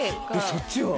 そっちは？